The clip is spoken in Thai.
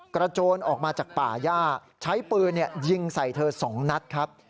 โจรออกมาจากป่าย่าใช้ปืนยิงใส่เธอ๒นัดครับ